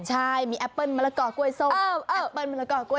ใช่แอปเปิ้ลแมลกอกรวยสม